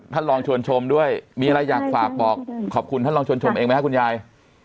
ท่านลองชวนชมด้วยมีอะไรอยากฝากบอกขอบคุณท่านลองชวนชมเองไหมครับคุณยาย